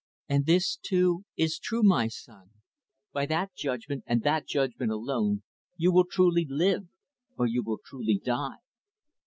And this, too, is true, my son, by that judgment and that judgment alone, you will truly live or you will truly die."